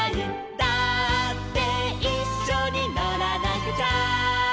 「だっていっしょにのらなくちゃ」